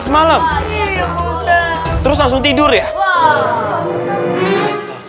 terus langsung tidur ya